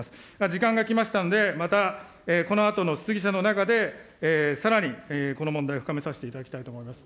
時間がきましたんで、またこのあとの質疑者の中で、さらにこの問題を深めさせていただきたいと思います。